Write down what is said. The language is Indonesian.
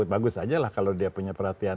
bagus aja lah kalau dia punya perhatian